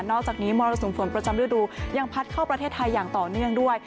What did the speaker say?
อกจากนี้มรสุมฝนประจำฤดูยังพัดเข้าประเทศไทยอย่างต่อเนื่องด้วย